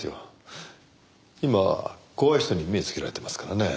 今怖い人に目をつけられていますからね。